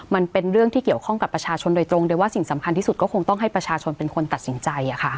มันเป็นเรื่องที่เกี่ยวข้องกับประชาชนโดยตรงโดยว่าสิ่งสำคัญที่สุดก็คงต้องให้ประชาชนเป็นคนตัดสินใจ